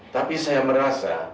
tapi saya merasa